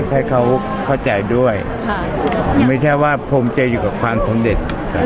ให้เขาเข้าใจด้วยค่ะไม่แทบว่าโพรมเจยอยู่กับความสำเร็จค่ะครับ